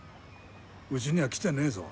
うちには来てねえぞ。